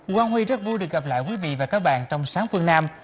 quang huy rất vui được gặp lại quý vị và các bạn trong sáng phương nam